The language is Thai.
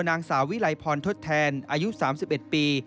นางสาววิลัยพรทดแทนอายุ๓๑ปี